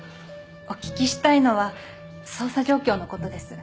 お聞きしたいのは捜査状況の事です。